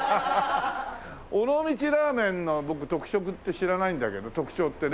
尾道ラーメンの僕特色って知らないんだけど特徴ってね。